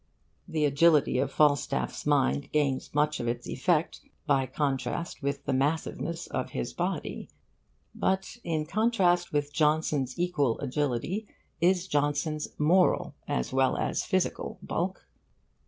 The agility of Falstaff's mind gains much of its effect by contrast with the massiveness of his body; but in contrast with Johnson's equal agility is Johnson's moral as well as physical bulk.